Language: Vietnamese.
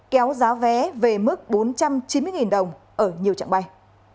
kéo giá vé về mức bốn trăm chín mươi đồng ở nhiều trạng bay